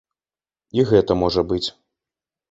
І гэта можа быць.